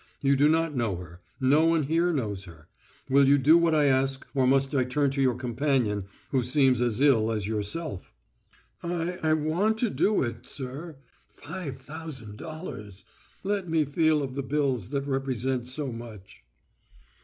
"You do not know her; no one here knows her. Will you do what I ask or must I turn to your companion who seems as ill as yourself?" "I—I want to do it, sir. Five thousand dollars! Let me feel of the bills that represent so much."